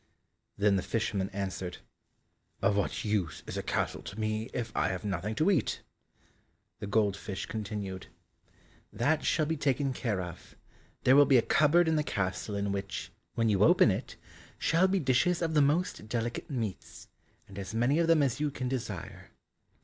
Then the fisherman answered, "Of what use is a castle to me, if I have nothing to eat?" The gold fish continued, "That shall be taken care of, there will be a cupboard in the castle in which, when you open it, shall be dishes of the most delicate meats, and as many of them as you can desire."